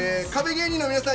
芸人の皆さん